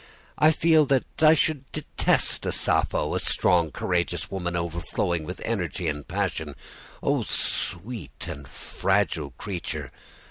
I feel that I should detest a Sappho, a strong, courageous woman, overflowing with energy and passion. O sweet and fragile creature!